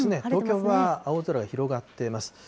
東京は青空が広がっています。